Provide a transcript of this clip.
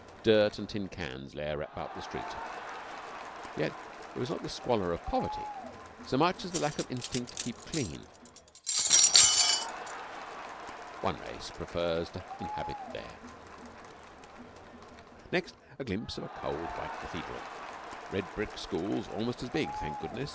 Dirt and tin cans lay about the street. Yet it was not the squalor of poverty so much as the lack of instinct to keep clean. One race prefers to inhabit there. Next a glimpse of a cold, white cathedral, red brick schools almost as big (thank goodness!)